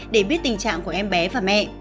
để biết tình trạng của em bé và mẹ